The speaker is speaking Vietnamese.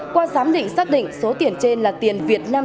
qua giám định xác định số tiền trên là tiền việt nam